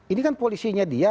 ini kan polisinya dia